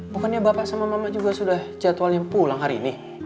pokoknya bapak sama mama juga sudah jadwalnya pulang hari ini